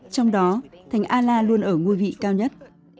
trong đó thánh a la luôn ở ngôi vị cao nhất